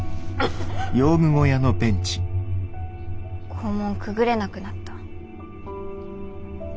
校門くぐれなくなった。